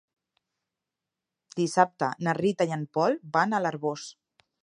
Dissabte na Rita i en Pol van a l'Arboç.